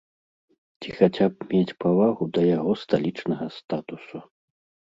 Ці хаця б мець павагу да яго сталічнага статусу.